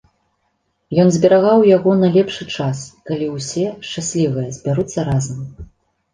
Ён зберагаў яго на лепшы час, калі ўсе, шчаслівыя, збяруцца разам.